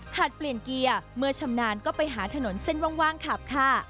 เปลี่ยนเกียร์เมื่อชำนาญก็ไปหาถนนเส้นว่างขับค่ะ